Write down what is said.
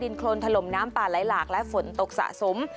โครนถล่มน้ำป่าไหลหลากและฝนตกสะสม